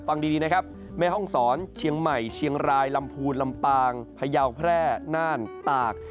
ฟังดีนะครับแม่ห้องศรเชียงใหม่เชียงรายลำพูนลำปางพยาวแพร่น่านตาก